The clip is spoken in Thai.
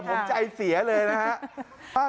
ผมใจเสียเลยนะครับ